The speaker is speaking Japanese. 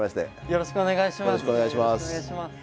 よろしくお願いします。